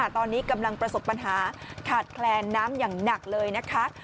ตอนนี้กำลังประสบปัญหาขาดแคลนน้ำอย่างหนักเลยนะคะ